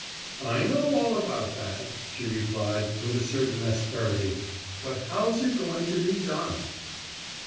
"I know all about that," she replied, with a certain asperity. "But how's it going to be done?"